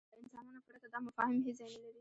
له انسانانو پرته دا مفاهیم هېڅ ځای نهلري.